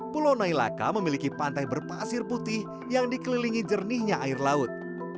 pulau nailaka memiliki pantai berpasir putih yang dikelilingi jernihnya air laut